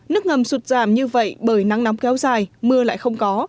nước ngầm sụt giảm như vậy bởi nắng nóng kéo dài mưa lại không có